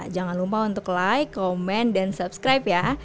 jangan lupa untuk like komen dan subscribe ya